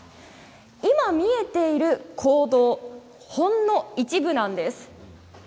今見えている坑道ほんの一部なんです。